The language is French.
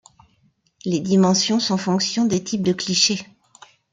Les dimensions sont fonction des types de clichés.